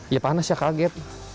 ya panas ya kaget